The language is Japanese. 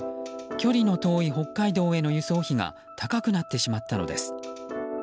距離の遠い北海道への輸送費が高くなってしまったのです。